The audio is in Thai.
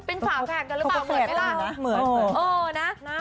เป็นฝาแฝดกันหรือเปล่าเหมือนไหมล่ะ